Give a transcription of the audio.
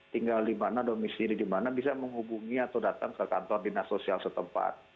tinggal di mana domisi di mana bisa menghubungi atau datang ke kantor dinas sosial setempat